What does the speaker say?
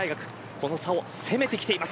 この差を攻めてきています。